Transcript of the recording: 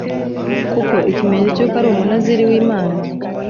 kuko ikimenyetso cy uko ari umunaziri w imana